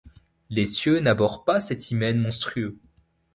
Les cieux n’abhorrent pas cet hymen monstrueux.